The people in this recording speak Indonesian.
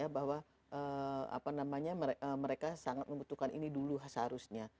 bahwa mereka sangat membutuhkan ini dulu seharusnya